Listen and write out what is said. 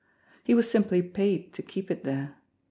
He was simply paid to keep it there.